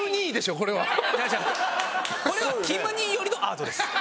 これはキム兄寄りのアートです。